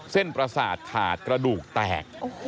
เส้นปราสาทขาดกระดูกแตก